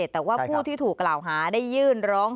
แต่ว่าผู้ที่ถูกกล่าวหาได้ยื่นร้อง